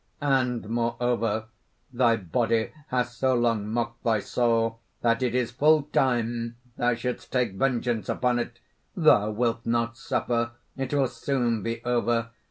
And moreover thy body has so long mocked thy soul that it is full time thou shouldst take vengeance upon it. Thou wilt not suffer. It will soon be over.